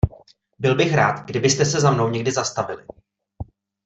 Bych byl rád, kdybyste se za mnou někdy zastavili.